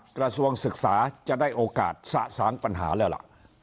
กระทรวงศึกษาจะได้โอกาสสะสางปัญหาแล้วล่ะ